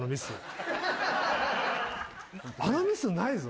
あのミスないぞ。